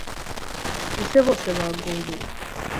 Ese bose baguye -